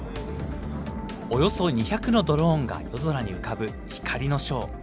およそ２００のドローンが夜空に浮かぶ光のショー。